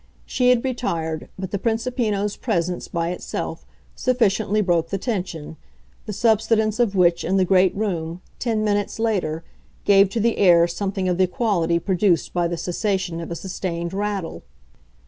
She had retired, but the Principino's presence, by itself, sufficiently broke the tension the subsidence of which, in the great room, ten minutes later, gave to the air something of the quality produced by the cessation of a sustained rattle.